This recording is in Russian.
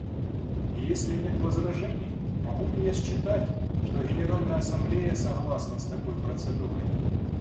Если нет возражений, могу ли я считать, что Генеральная Ассамблея согласна с такой процедурой?